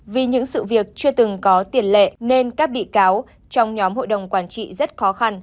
vì những sự việc chưa từng có tiền lệ nên các bị cáo trong nhóm hội đồng quản trị rất khó khăn